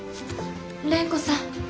蓮子さん。